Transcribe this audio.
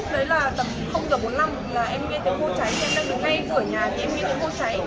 tầng giờ bốn mươi năm là em nghe tiếng hô cháy em đang đứng ngay cửa nhà thì em nghe tiếng hô cháy